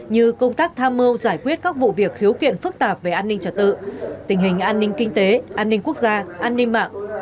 như công tác tham mưu giải quyết các vụ việc khiếu kiện phức tạp về an ninh trật tự tình hình an ninh kinh tế an ninh quốc gia an ninh mạng